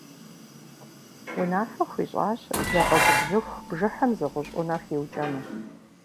Унафэ хуищӀащ зэ къэгубжьыху бжыхьым зы гъущӀ Ӏунэ хиукӀэну.